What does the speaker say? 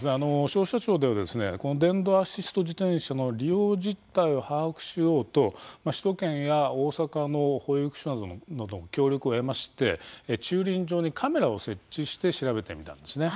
消費者庁ではこの電動アシスト自転車の利用実態を把握しようと首都圏や大阪の保育所などの協力を得まして駐輪場にカメラを設置して調べてみたんですね。